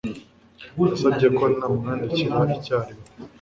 Yansabye ko namwandikira icyarimwe.